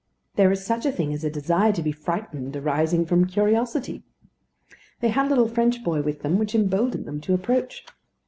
There is such a thing as a desire to be frightened arising from curiosity. They had a little French boy with them, which emboldened them to approach.